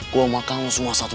gue makan lu semua satu persatu